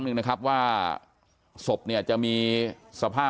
อยู่ดีมาตายแบบเปลือยคาห้องน้ำได้ยังไง